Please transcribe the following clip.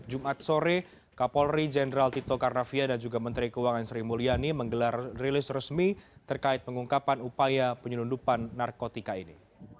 jumat sore kapolri jenderal tito karnavia dan juga menteri keuangan sri mulyani menggelar rilis resmi terkait pengungkapan upaya penyelundupan narkotika ini